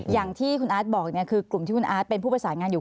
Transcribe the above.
อย่างที่คุณอาร์ตบอกเนี่ยคือกลุ่มที่คุณอาร์ตเป็นผู้ประสานงานอยู่